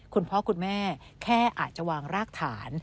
คุณพ่อคุณแม่แค่อาจจะวางรากฐาน